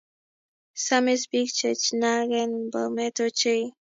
Samis pik che chnag en Bomet ochei